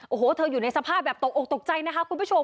โอ้โหเธออยู่ในสภาพแบบตกออกตกใจนะคะคุณผู้ชม